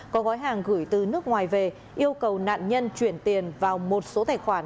có gói hàng gửi từ nước ngoài về yêu cầu nạn nhân chuyển tiền vào một số tài khoản